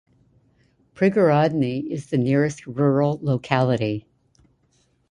Prigorodny is the nearest rural locality.